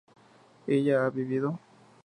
¿ella ha vivido?